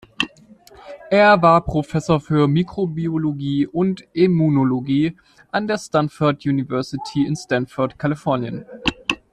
Er war Professor für Mikrobiologie und Immunologie an der Stanford University in Stanford, Kalifornien.